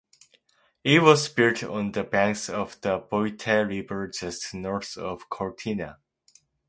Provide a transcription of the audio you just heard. It was built on the banks of the Boite river just north of Cortina.